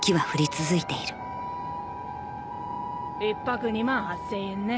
１泊２万８０００円ね。